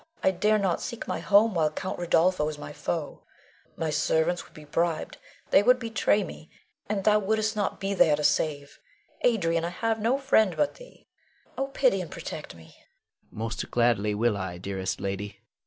I dare not seek my home while Count Rodolpho is my foe; my servants would be bribed, they would betray me, and thou wouldst not be there to save. Adrian, I have no friend but thee. Oh, pity and protect me! Adrian. Most gladly will I, dearest lady.